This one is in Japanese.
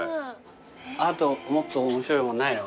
もっと面白いもんないの？